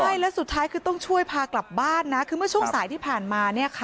ใช่และสุดท้ายคือต้องพาช่วยกลับบ้านคือเมื่อช่วงสายที่ผ่านมา